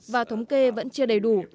và thống kê vẫn chưa đầy đủ